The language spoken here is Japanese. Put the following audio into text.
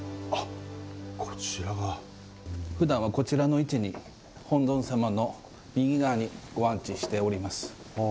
ふだんはこちらの位置に、本尊様の右側にご安置しております。